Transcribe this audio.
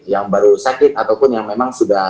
yang baru sakit ataupun yang memang sudah